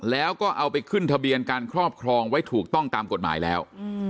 แล้วก็เอาไปขึ้นทะเบียนการครอบครองไว้ถูกต้องตามกฎหมายแล้ว